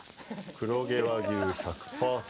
黒毛和牛１００％